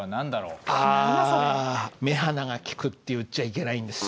あ「目鼻がきく」って言っちゃいけないんですよ。